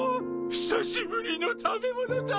久しぶりの食べ物だ！